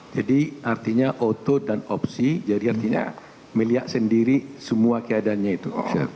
jadi artinya auto dan opsi jadi artinya melihat sendiri semua keadaannya itu